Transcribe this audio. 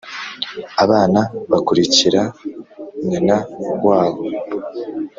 abana bakurikira nyina wawo